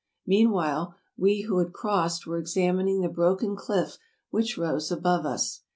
Meanwhile, we who had crossed were ex amining the broken cliff which rose above us.